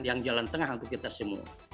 yang jalan tengah untuk kita semua